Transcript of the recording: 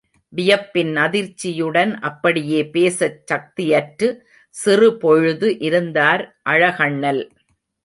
வியப்பின் அதிர்ச்சியுடன் அப்படியே பேசச் சக்தியற்று சிறுபொழுது இருந்தார் அழகண்ணல்.